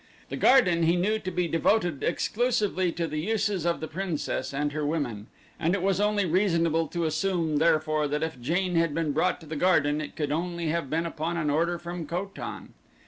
The garden he knew to be devoted exclusively to the uses of the princess and her women and it was only reasonable to assume therefore that if Jane had been brought to the garden it could only have been upon an order from Ko tan.